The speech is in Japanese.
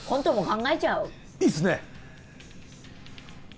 いいっすね。